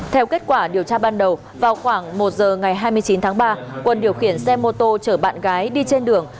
theo kết quả điều tra ban đầu vào khoảng một giờ ngày hai mươi chín tháng ba quân điều khiển xe mô tô chở bạn gái đi trên đường